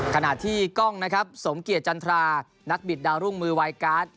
ขณะที่กล้องนะครับสมเกียจจันทรานักบิดดาวรุ่งมือไวการ์ด